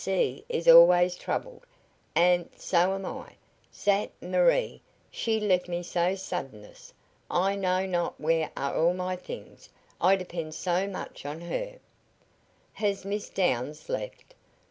Ze sea is always troubled, and so am I. Zat Marie she left me so suddenness I know not where are all my things I depend so much on her " "Has Miss Downs left?"